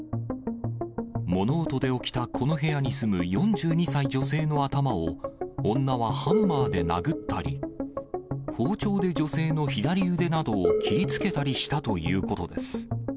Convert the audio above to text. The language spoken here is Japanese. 物音で起きたこの部屋に住む４２歳女性の頭を、女はハンマーで殴ったり、包丁で女性の左腕などを切りつけたりしたということです。